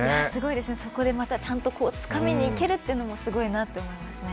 そこでちゃんとつかみにいけるというのもすごいと思います。